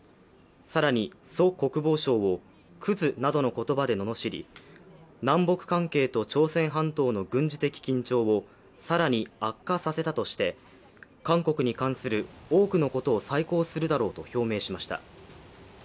更に、ソ国防相を、くずなどの言葉でののしり、南北関係と朝鮮半島の軍事的緊張を更に悪化させたとして、韓国に関する多くのことを再考するだろうと表明しました。